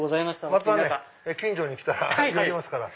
また近所に来たら寄りますから。